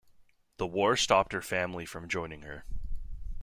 The war stopped her family from joining her.